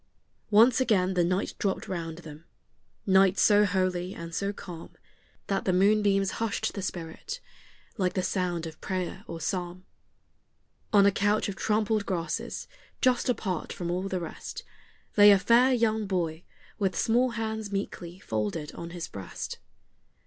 Once again the night dropped round them, night so holy and so calm That the moonbeams hushed the spirit, like the sound of prayer or psalm. On a couch of trampled grasses, just apart from all the rest, Lay a fair young boy, with small hands meekly folded on his breast.